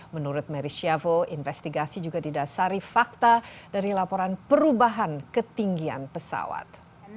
menurut mary shavo investigasi juga didasari fakta dari laporan perubahan ketinggian pesawat